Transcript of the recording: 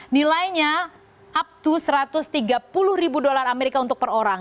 nilainya up to satu ratus tiga puluh ribu dolar amerika untuk per orang